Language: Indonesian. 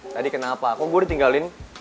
tadi kenapa aku gue ditinggalin